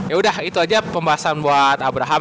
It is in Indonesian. ya udah itu aja pembahasan buat abraham